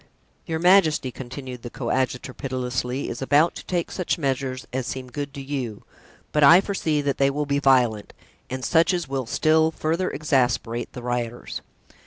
"Your majesty," continued the coadjutor, pitilessly, "is about to take such measures as seem good to you, but I foresee that they will be violent and such as will still further exasperate the rioters."